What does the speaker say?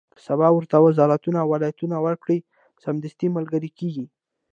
که سبا ورته وزارتونه او ولایتونه ورکړي، سمدستي ملګري کېږي.